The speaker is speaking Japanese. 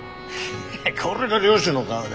これが漁師の顔だ。